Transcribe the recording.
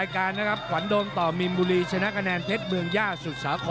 กันนิดนึงนะครับ